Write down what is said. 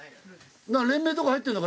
連盟とか入ってんのか？